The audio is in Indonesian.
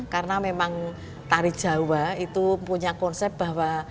karena memang tari jawa itu punya konsep bahwa